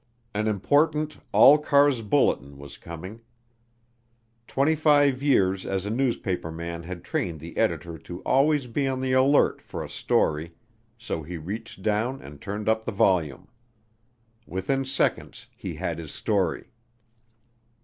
An important "all cars bulletin" was coming. Twenty five years as a newspaperman had trained the editor to always be on the alert for a story so he reached down and turned up the volume. Within seconds he had his story.